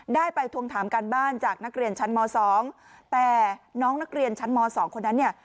ได้ไปทวงถามการบ้านจากนักเรียนชั้นม๒แต่น้องนักเรียนชั้นม๒คนนั้นเนี่ย